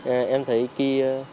em thấy khi